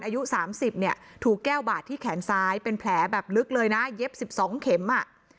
อายุ๓๐เนี่ยถูกแก้วบาดที่แขนซ้ายเป็นแผลแบบลึกเลยนะเย็บ๑๒เข็มอ่ะ